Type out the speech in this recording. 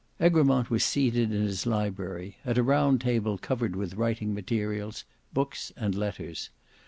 Egremont was seated in his library, at a round table covered with writing materials, books, and letters.